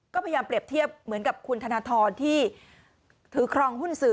ก็พยายามเปรียบเทียบเหมือนกับคุณธนทรที่ถือครองหุ้นสื่อ